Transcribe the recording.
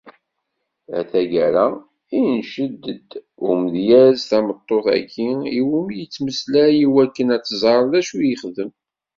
Ar taggara, inced-d umdyaz tameṭṭut-agi i wumi yettmeslay i wakken ad tzeṛ d acu i yexdem.